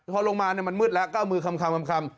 พอลงมามันมืดแล้วก็เอามือคำ